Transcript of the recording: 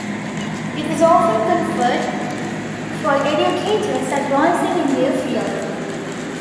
It is often conferred for educators advancing in their field.